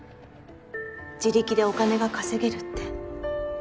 自力でお金が稼げるって。